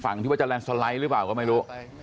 ที่ว่าจะแลนดสไลด์หรือเปล่าก็ไม่รู้